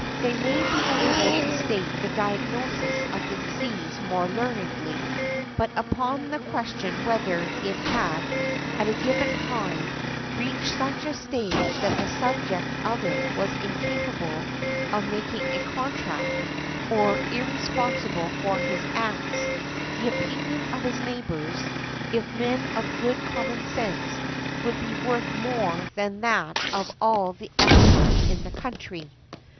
They may be able to state the diagnosis of the disease more learnedly, but upon the question whether it had, at a given time, reached such a stage that the subject of it was incapable of making a contract, or irresponsible for his acts, the opinion of his neighbors, if men of good common sense, would be worth more than that of all the experts in the country" .